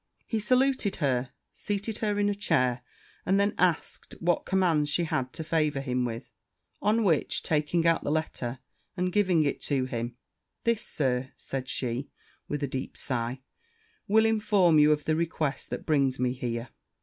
He saluted her, seated her in a chair, and then asked her what commands she had to favour him with: on which, taking out the letter, and giving it to him, 'This, Sir,' said she, with a deep sigh, 'will inform you of the request that brings me here.'